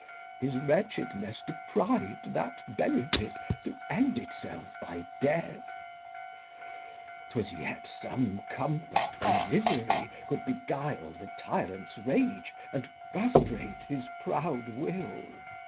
Is wretchedness depriv'd that benefit To end itself by death? 'Twas yet some comfort When misery could beguile the tyrant's rage And frustrate his proud will.